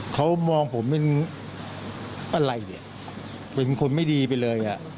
เขามองผมเป็นอะไรเนี่ยเป็นคนไม่ดีไปเลยอ่ะ